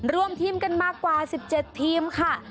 รวมทีมกันมากว่า๑๗ทีมค่ะ